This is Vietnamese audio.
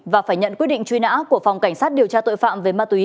và phải nhận quyết định truy nã của phòng cảnh sát điều tra tội phạm về ma túy